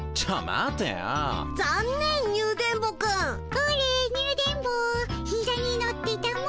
これニュ電ボひざに乗ってたも。